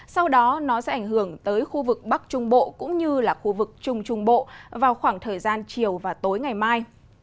sau đó nó sẽ ảnh hưởng tới khu vực bắc trung bộ cũng như là khu vực trung trung bộ vào khoảng thời gian chiều và tối ngày mai